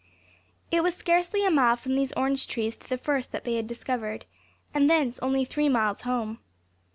It was scarcely a mile from these orange trees to the first that they had discovered; and thence only three miles home.